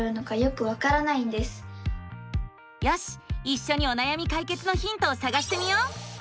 いっしょにおなやみ解決のヒントをさがしてみよう！